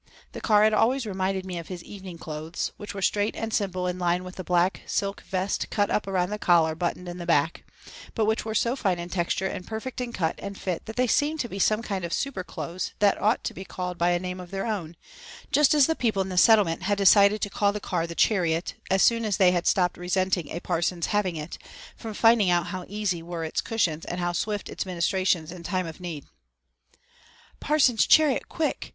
The car had always reminded me of his evening clothes, which were straight and simple in line with the black silk vest cut up around the collar buttoned in the back, but which were so fine in texture and perfect in cut and fit that they seemed to be some kind of super clothes that ought to be called by a name of their own, just as the people in the Settlement had decided to call the car the "Chariot" as soon as they had stopped resenting a parson's having it, from finding out how easy were its cushions and how swift its ministrations in time of need. "Parson's Chariot, quick!"